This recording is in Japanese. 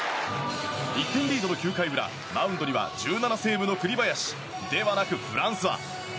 １点リードの９回の裏マウンドには１７セーブの栗林ではなく、フランスア。